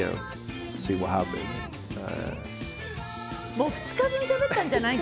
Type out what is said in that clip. もう２日分しゃべったんじゃない？